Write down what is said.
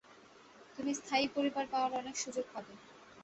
তুমি স্থায়ী পরিবার পাওয়ার অনেক সুযোগ পাবে।